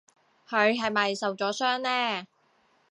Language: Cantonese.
佢係咪受咗傷呢？